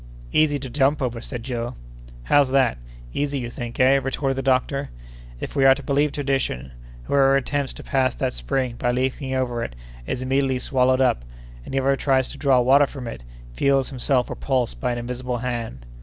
"Easy to jump over," said Joe. "How's that? Easy you think, eh?" retorted the doctor. "If we are to believe tradition, whoever attempts to pass that spring, by leaping over it, is immediately swallowed up; and whoever tries to draw water from it, feels himself repulsed by an invisible hand."